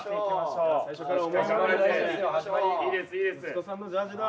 息子さんのジャージだ。